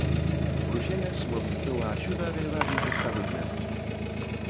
Bruxelas mobilizou axuda de varios Estados membros.